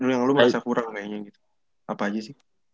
dulu yang lu merasa kurang kayaknya gitu apa aja sih